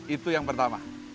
itu yang pertama